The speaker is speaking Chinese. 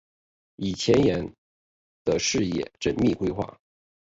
以前瞻的视野缜密规划